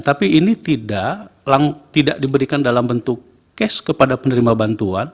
tapi ini tidak diberikan dalam bentuk cash kepada penerima bantuan